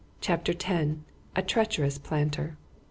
CHAPTER X. A TREACHEROUS PLANTER.